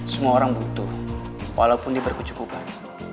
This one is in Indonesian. semua orang butuh walaupun diberkecukupan